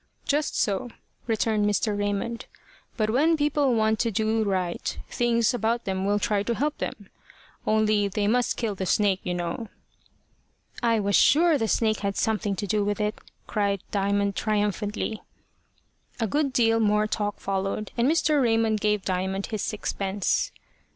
"Just so," returned Mr. Raymond. "But when people want to do right, things about them will try to help them. Only they must kill the snake, you know." "I was sure the snake had something to do with it," cried Diamond triumphantly. A good deal more talk followed, and Mr. Raymond gave Diamond his sixpence.